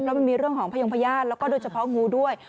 แล้วมันมีเรื่องของพยงพญาติแล้วก็โดยเฉพาะงูด้วย